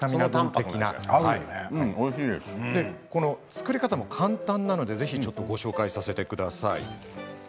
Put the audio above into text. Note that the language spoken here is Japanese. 作り方も簡単なのでぜひご紹介させてください。